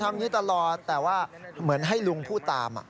อย่างนี้ตลอดแต่ว่าเหมือนให้ลุงพูดตาม